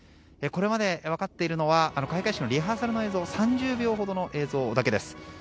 これまで分かっているのは開会式のリハーサルの映像３０秒ほどの映像だけです。